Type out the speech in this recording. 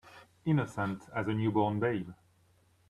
Innocent as a new born babe.